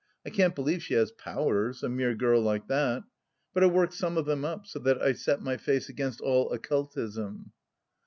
I can't believe she has powers — a mere girl like that I But it worked some of them up so that I set my face against all occultism.